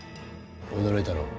驚いたろう。